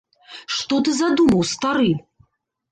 Што ты задумаў, стары?!